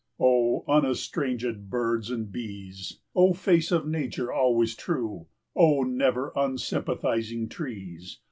O unestrangëd birds and bees! O face of Nature always true! 45 O never unsympathizing trees!